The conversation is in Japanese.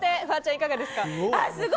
フワちゃん、いかがですか？